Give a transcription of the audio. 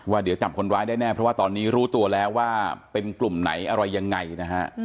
เดี๋ยวจับคนร้ายได้แน่เพราะว่าตอนนี้รู้ตัวแล้วว่าเป็นกลุ่มไหนอะไรยังไงนะฮะ